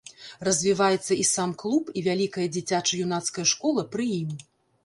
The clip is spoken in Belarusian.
Развіваецца і сам клуб, і вялікая дзіцяча-юнацкая школа пры ім.